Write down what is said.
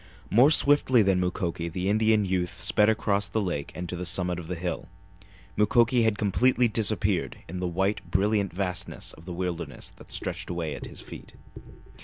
More swiftly than Mukoki the Indian youth sped across the lake and to the summit of the hill. Mukoki had completely disappeared in the white, brilliant vastness of the wilderness that stretched away at his feet.